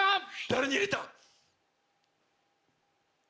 誰に入れた⁉